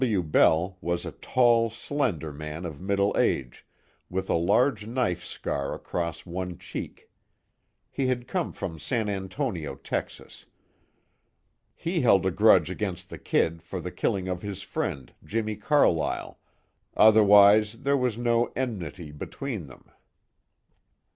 W. Bell was a tall, slender man of middle age, with a large knife scar across one cheek. He had come from San Antonio, Texas. He held a grudge against the "Kid" for the killing of his friend, Jimmie Carlyle, otherwise there was no enmity between them.